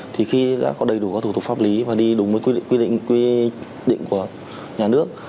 thì khi đã có đầy đủ các thủ tục pháp lý và đi đúng với quy định quy định của nhà nước